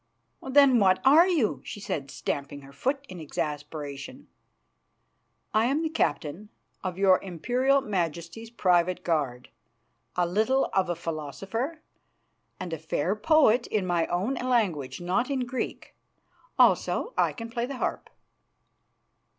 "Then what are you?" she said, stamping her foot in exasperation. "I am the captain of your Imperial Majesty's private guard, a little of a philosopher, and a fair poet in my own language, not in Greek. Also, I can play the harp."